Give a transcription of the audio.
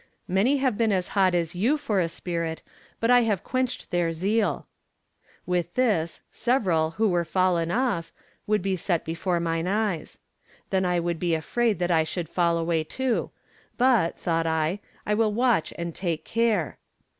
Many have been as hot as you for a spirit, but I have quenched their zeal." With this, several, who were fallen off, would be set before mine eyes. Then I would be afraid that I should fall away, too, but, thought I, I will watch and take care.